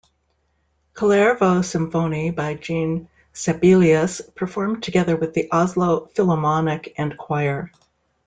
"Kullervo-symfoni" by Jean Sibelius performed together with the Oslo Philomonic and choir.